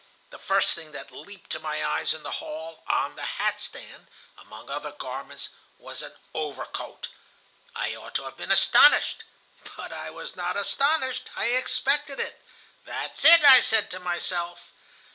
The first thing that leaped to my eyes in the hall, on the hat stand, among other garments, was an overcoat. I ought to have been astonished, but I was not astonished. I expected it. 'That's it!' I said to myself.